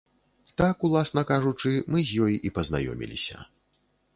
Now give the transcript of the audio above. Так, уласна кажучы, мы з ёй і пазнаёміліся.